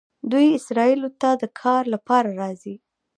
دوی اسرائیلو ته د کار لپاره راځي.